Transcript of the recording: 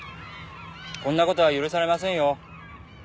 こんなことは許されませんよ。